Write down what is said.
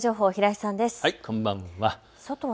こんばんは。